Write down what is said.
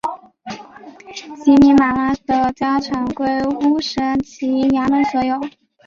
席尼喇嘛的家产归乌审旗衙门所有。